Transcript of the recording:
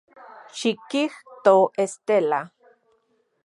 Xikijto, Estela.